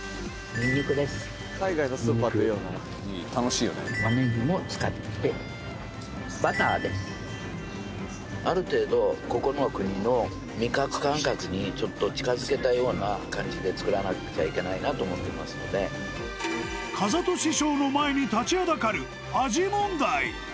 ニンニク玉ねぎも使ってバターですある程度ここの国の味覚感覚にちょっと近づけたような感じで作らなくちゃいけないなと思ってますので風戸師匠の前に立ちはだかる味問題